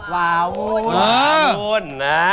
วาวุน